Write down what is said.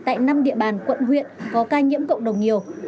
tại năm địa bàn quận huyện có ca nhiễm cộng đồng nhiều